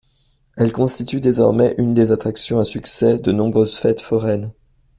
Elles constituent désormais une des attractions à succès de nombreuses fêtes foraines.